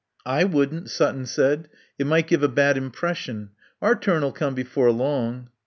"I wouldn't," Sutton said. "It might give a bad impression. Our turn'll come before long."